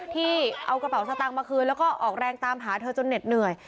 ที่เอากระเป๋าสตางค์มาคืนแล้วก็ออกแรงตามหาเธอจนเหน็ดเหนื่อย